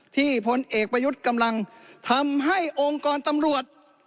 พลเอกประยุทธ์กำลังทำให้องค์กรตำรวจ